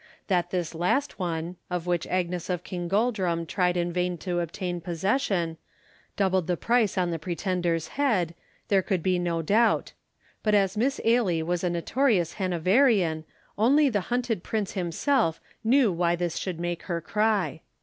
That this last one, of which Agnes of Kingoldrum tried in vain to obtain possession, doubled the price on the Pretender's head, there could be no doubt; but as Miss Ailie was a notorious Hanoverian, only the hunted prince himself knew why this should make her cry.